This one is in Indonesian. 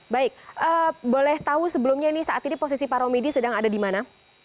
baik boleh tahu sebelumnya ini saat ini posisi pak romidi sedang ada di mana